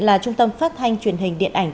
là trung tâm phát thanh truyền hình điện ảnh